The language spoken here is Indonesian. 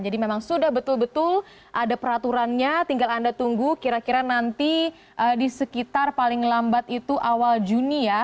jadi memang sudah betul betul ada peraturannya tinggal anda tunggu kira kira nanti di sekitar paling lambat itu awal juni ya